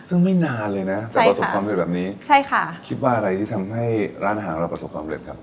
ซึ่งไม่นานเลยนะจะประสบความเร็จแบบนี้ใช่ค่ะคิดว่าอะไรที่ทำให้ร้านอาหารเราประสบความเร็จครับ